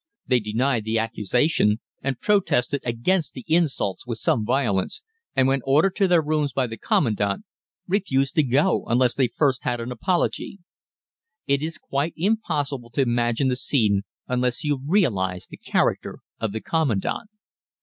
They denied the accusation and protested against the insults with some violence, and when ordered to their rooms by the Commandant refused to go unless they first had an apology. It is quite impossible to imagine the scene unless you realize the character of the Commandant.